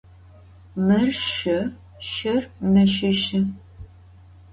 Mır şşı, şşır meşışı.